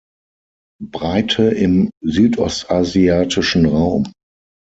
Breite im südostasiatischen Raum.